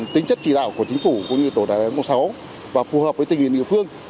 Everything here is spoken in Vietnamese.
tính chất chỉ đạo của chính phủ cũng như tổ đại án sáu và phù hợp với tình nguyện địa phương